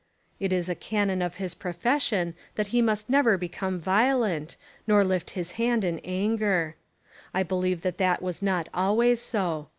It is a canon of his profession that he must never become violent, nor lift his hand in anger. I believe that it was not always so.